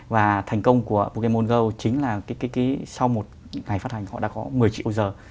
và thành công của pokemon go chính là sau một ngày phát hành họ đã có một mươi triệu giờ